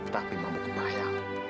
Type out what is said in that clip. tapi memang benar benar bahaya